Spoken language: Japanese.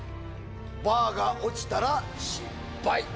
バーが落ちたら失敗。